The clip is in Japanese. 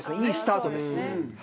いいスタートです。